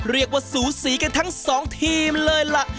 เรียกว่าสูสีกันทั้งสองทีมเลยล่ะ